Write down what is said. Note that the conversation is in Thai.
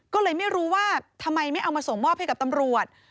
ก็เลยไม่รู้ว่าทำไมไม่เอามาส่งมอบให้กับตำรวจ